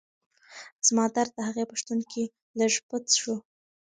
زما درد د هغې په شتون کې لږ پڅ شو.